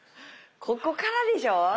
ここからでしょ？